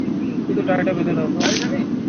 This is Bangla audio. শুধু টাই টা বেঁধে দাও তো।